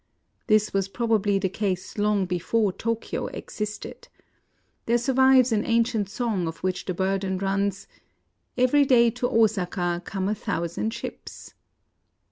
This was probably the case long before Tokyo existed. There survives an ancient song of which the burden runs, —" Every day to Osaka come a thou sand shijys.